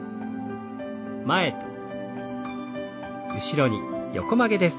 前と後ろに横曲げです。